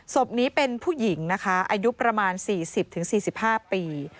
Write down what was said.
ศพนี้เป็นผู้หญิงนะคะอายุประมาณ๔๐๔๕ปี